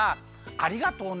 ありがとうね。